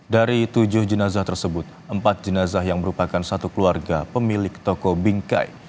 dari tujuh jenazah tersebut empat jenazah yang merupakan satu keluarga pemilik toko bingkai